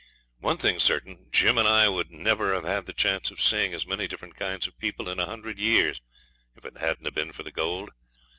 One thing's certain; Jim and I would never have had the chance of seeing as many different kinds of people in a hundred years if it hadn't been for the gold.